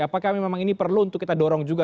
apakah memang ini perlu untuk kita dorong juga